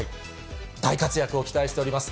大活躍を期待しております。